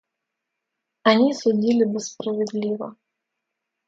Они судили бы справедливо.